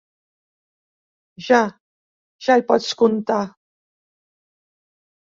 Ja, ja hi pots comptar.